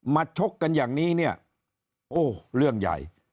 ชกกันอย่างนี้เนี่ยโอ้เรื่องใหญ่